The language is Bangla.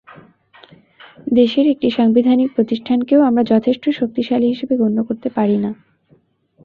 দেশের একটি সাংবিধানিক প্রতিষ্ঠানকেও আমরা যথেষ্ট শক্তিশালী হিসেবে গণ্য করতে পারি না।